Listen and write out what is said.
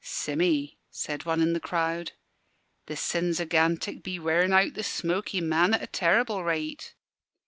"Simme," said one in the crowd, "the sins o' Gantick be wearin' out the smoky man at a terrible rate."